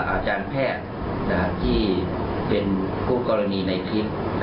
อาจารย์แพทย์ที่เป็นผู้กรณีในคลิป